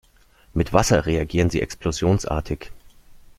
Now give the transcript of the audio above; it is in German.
Mit Wasser reagieren sie explosionsartig.